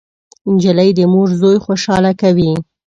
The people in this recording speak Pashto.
نجلۍ د مور زوی خوشحاله کوي.